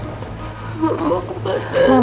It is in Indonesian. mama aku mau pergi